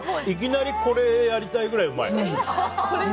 いきなりこれ、やりたいくらいうまい。